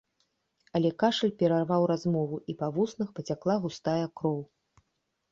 Але кашаль перарваў размову, і па вуснах пацякла густая кроў.